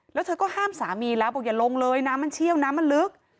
แล้วเธอก็ห้ามสามีแล้วบอกอย่าลงเลยน้ำมันเชี่ยวน้ำมันลึก